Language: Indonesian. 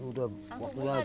udah waktu azan tuh